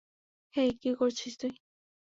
হেই, কি করছিস তুই?